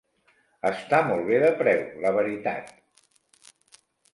Està molt bé de preu la veritat.